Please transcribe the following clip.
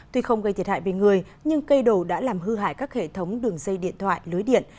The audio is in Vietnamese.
tuy không gây thiệt hại về người nhưng cây đổ đã làm hư hại các hệ thống đường dây điện thoại lưới điện